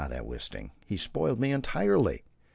that Wisting, he spoiled me entirely.